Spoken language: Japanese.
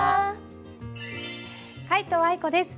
皆藤愛子です。